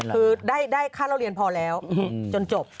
คือได้ค่าเล่าเรียนพอแล้วจนจบ